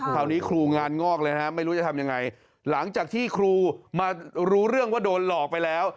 ครูงานงอกเลยฮะไม่รู้จะทำยังไงหลังจากที่ครูมารู้เรื่องว่าโดนหลอกไปแล้ว